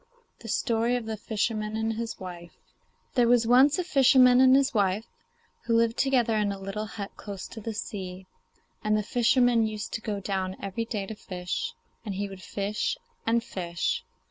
THE STORY OF THE FISHERMAN AND HIS WIFE There was once a fisherman and his wife who lived together in a little hut close to the sea, and the fisherman used to go down every day to fish; and he would fish and fish.